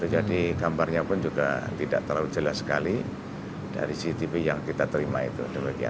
jadi gambarnya pun juga tidak terlalu jelas sekali dari si tv yang kita terima itu